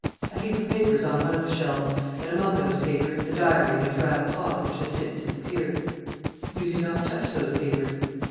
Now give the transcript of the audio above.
"A heap of papers, on one of the shelves; and, among those papers, the diary in drab cloth which has since disappeared." "You did not touch those papers?"